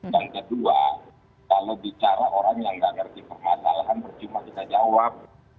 dan kedua kalau bicara orang yang gak ngerti permasalahan berjumlah kita jawab